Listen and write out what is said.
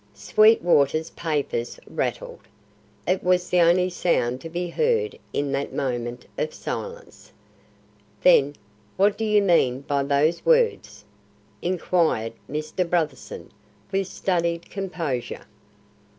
Sweetwater's papers rattled; it was the only sound to be heard in that moment of silence. Then "What do you mean by those words?" inquired Mr. Brotherson, with studied composure.